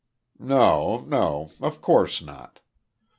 "No, no. Of course not.